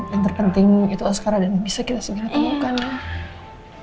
yang terpenting itu askara dan bisa kita segera temukan